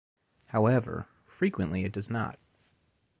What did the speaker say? However, frequently it does not.